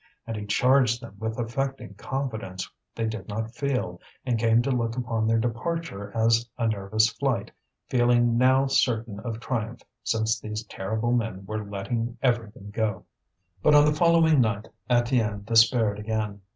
And he charged them with affecting confidence they did not feel, and came to look upon their departure as a nervous flight, feeling now certain of triumph since these terrible men were letting everything go. But on the following night Étienne despaired again.